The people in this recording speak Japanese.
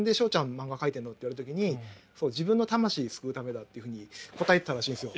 漫画描いてんの？」って言われた時に「自分の魂救うためだ」っていうふうに答えてたらしいんですよ。